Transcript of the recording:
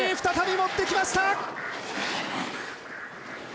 再びもってきました！